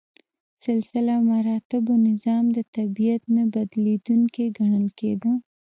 سلسله مراتبو نظام د طبیعت نه بدلیدونکی ګڼل کېده.